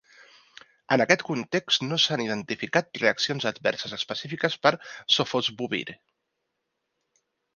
En aquest context no s'han identificat reaccions adverses específiques per sofosbuvir.